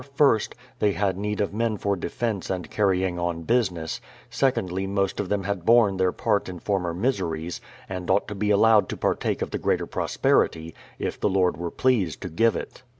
THE PLYMOUTH SETTLEMENT 177 they had need of men for defence and carrying on business ; secondly most of them had borne their part in former miseries, and ought to be allowed to partake of the greater prosperity, if the Lord were pleased to give it.